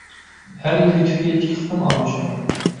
ھەر يىلى تۈكى ئىككى قېتىم ئالمىشىدۇ.